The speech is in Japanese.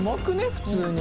普通に。